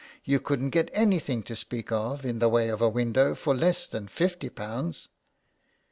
You couldn't get anything to speak of in the way of a window for less than fifty pounds."